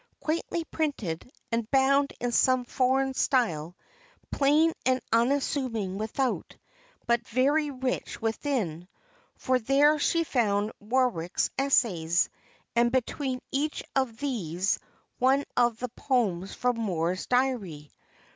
Quaintly printed, and bound in some foreign style, plain and unassuming without, but very rich within, for there she found Warwick's Essays, and between each of these one of the poems from Moor's Diary.